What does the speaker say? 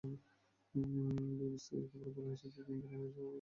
বিবিসির খবরে বলা হয়েছে, দুদিন আগে সংঘর্ষের সূচনা হলেও এখনো সেখানে গোলাগুলি চলছে।